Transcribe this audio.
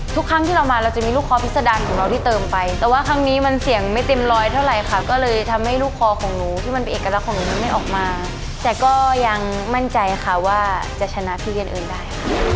ทุกครั้งที่เรามาเราจะมีลูกคอพิษดันของเราที่เติมไปแต่ว่าครั้งนี้มันเสียงไม่เต็มร้อยเท่าไหร่ค่ะก็เลยทำให้ลูกคอของหนูที่มันเป็นเอกลักษณ์ของหนูนั้นไม่ออกมาแต่ก็ยังมั่นใจค่ะว่าจะชนะพี่เย็นอื่นได้